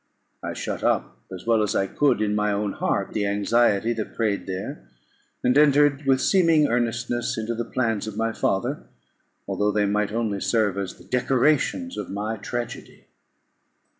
I shut up, as well as I could, in my own heart the anxiety that preyed there, and entered with seeming earnestness into the plans of my father, although they might only serve as the decorations of my tragedy.